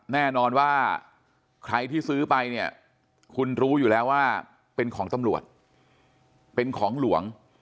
แน่นอนว่าใครที่ซื้อไปเนี่ยคุณรู้อยู่แล้วว่าเป็นของตำรวจเป็นของหลวง